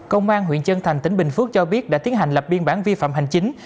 công an huyện chân thành tỉnh bình phước cho biết đã tiến hành lập biên bản vi phạm hành chính